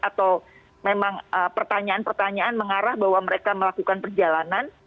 atau memang pertanyaan pertanyaan mengarah bahwa mereka melakukan perjalanan